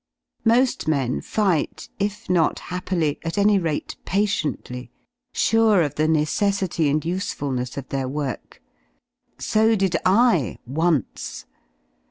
Mo^ men fight, if not happily, at any rate patiently, sure of the necessity and usefulness of their work. So did I — once